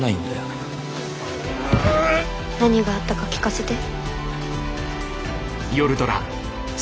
何があったか聞かせて。